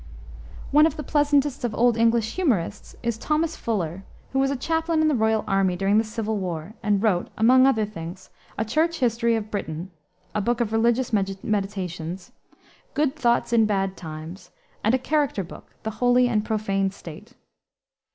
One of the pleasantest of old English humorists is Thomas Fuller, who was a chaplain in the royal army during the civil war, and wrote, among other things, a Church History of Britain; a book of religious meditations, Good Thoughts in Bad Times, and a "character" book, The Holy and Profane State.